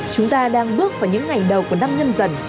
chúng ta đang bước vào những ngày đầu của năm nhân dân